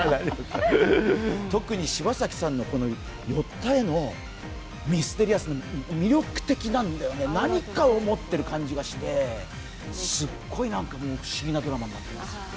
特に柴咲さんの寄った画のミステリアスな魅力的なんだよね、何かを持っている感じがしてすごい不思議なドラマになってます。